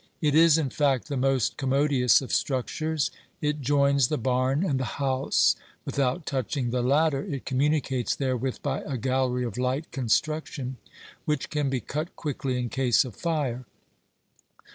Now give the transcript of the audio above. It is in fact the most commodious of structures; it joins the barn and the house ; without touching the latter, it communicates therewith by a gallery of light construction, which can be cut quickly in case of fire.